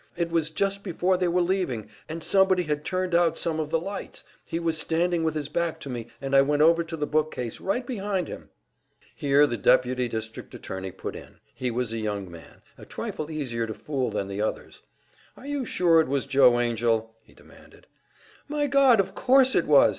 It was just before they were leaving, and somebody had turned out some of the lights. He was standing with his back to me, and I went over to the book case right behind him." Here the deputy district attorney put in. He was a young man, a trifle easier to fool than the others. "Are you sure it was Joe Angell?" he demanded. "My God! Of course it was!"